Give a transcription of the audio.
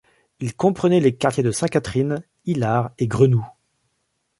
Il comprenait les quartiers de Sainte-Catherine, Hilard et Grenoux.